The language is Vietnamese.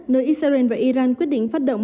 nơi israel và iran quyết định phát động